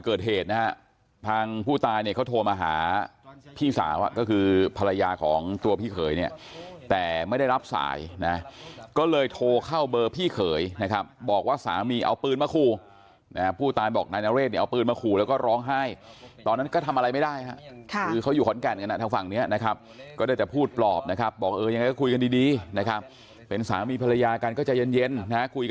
เกิดเหตุนะฮะทางผู้ตายเนี่ยเขาโทรมาหาพี่สาวก็คือภรรยาของตัวพี่เขยเนี่ยแต่ไม่ได้รับสายนะก็เลยโทรเข้าเบอร์พี่เขยนะครับบอกว่าสามีเอาปืนมาขู่นะฮะผู้ตายบอกนายนเรศเนี่ยเอาปืนมาขู่แล้วก็ร้องไห้ตอนนั้นก็ทำอะไรไม่ได้ฮะคือเขาอยู่ขอนแก่นกันอ่ะทางฝั่งเนี้ยนะครับก็ได้แต่พูดปลอบนะครับบอกเออยังไงก็คุยกันดีดีนะครับเป็นสามีภรรยากันก็ใจเย็นนะฮะคุยกัน